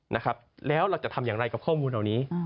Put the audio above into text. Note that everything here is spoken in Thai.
นะครับแล้วเราจะทำอย่างไรกับข้อมูลเหล่านี้